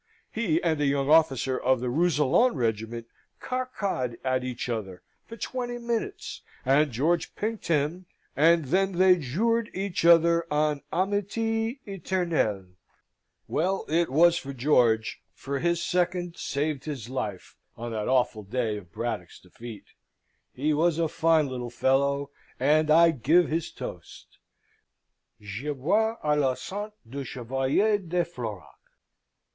He and a young officer of the Rousillon regiment ca ca'd at each other for twenty minutes, and George pinked him, and then they jure'd each other an amitie eternelle. Well it was for George: for his second saved his life on that awful day of Braddock's defeat. He was a fine little fellow, and I give his toast: Je bois a la sante du Chevalier de Florac!"